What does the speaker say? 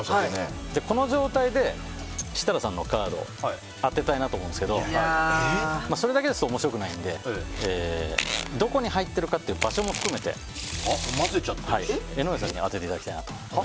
この状態で設楽さんのカード当てたいなと思うんですけどそれだけですと面白くないんでどこに入ってるかという場所も含めて江上さんに当てていただきたいなと思います。